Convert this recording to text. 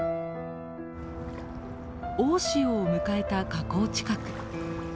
大潮を迎えた河口近く。